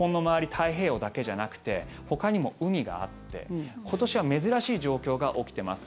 太平洋だけじゃなくてほかにも海があって今年は珍しい状況が起きてます。